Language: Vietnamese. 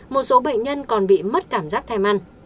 một số bệnh nhân còn bị mất cảm giác thèm ăn